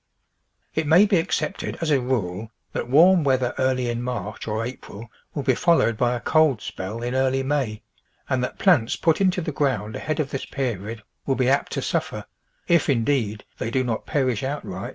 It may be accepted as a rule that warm weather early in March or April will be followed by a cold spell in early May, and that plants put into the ground ahead of this period will be apt to suffer, if, indeed, they do not perish outright.